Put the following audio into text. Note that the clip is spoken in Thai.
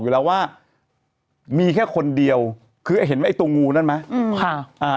อยู่แล้วว่ามีแค่คนเดียวคือเห็นไหมไอ้ตัวงูนั่นไหมอืมค่ะอ่า